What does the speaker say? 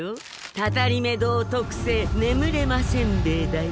たたりめ堂特製眠れませんべいだよ。